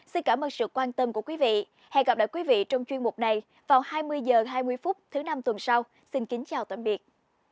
xin cảm ơn sự quan tâm của quý vị hẹn gặp lại quý vị trong chuyên mục này vào hai mươi h hai mươi phút thứ năm tuần sau xin kính chào tạm biệt